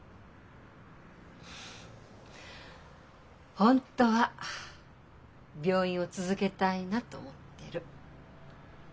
本当は病院を続けたいなと思ってる。